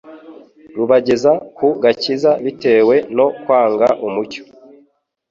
rubageza ku gakiza bitewe no kwanga umucyo